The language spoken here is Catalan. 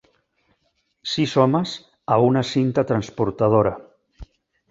Sis homes a una cinta transportadora.